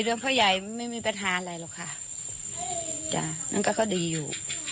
เรื่องพ่อใหญ่ไม่มีปัญหาอะไรหรอกค่ะจ้ะมันก็ดีอยู่